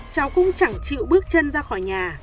cháu cũng chẳng chịu bước chân ra khỏi nhà